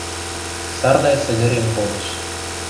Сардай сӹгӹрен кодеш.